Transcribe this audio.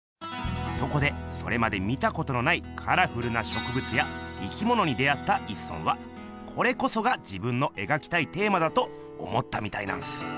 そこでそれまで見たことのないカラフルなしょくぶつや生きものに出会った一村はこれこそが自分のえがきたいテーマだと思ったみたいなんす。